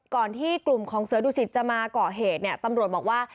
ก่อนที่กลุ่มของเสือดูสิตจะมาเกาะเหตุตำรวจบอกว่า